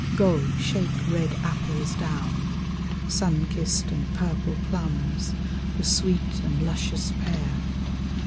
Go, shake red apples down. Sun kissed and purple plimis, The sweet and luscious pear.